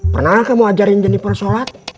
pernah kamu ajarin jennifer sholat